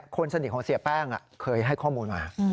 คนสนิทของเสียแป้งเคยให้ข้อมูลมา